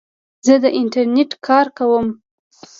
زه د انټرنیټ کاروم.